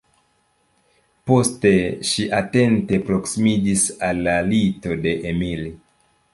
Poste ŝi atente proksimiĝis al la lito de Emil.